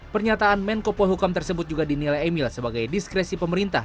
pernyataan menko polhukam tersebut juga dinilai emil sebagai diskresi pemerintah